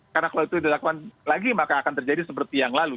karena kalau itu dilakukan lagi maka akan terjadi seperti yang lalu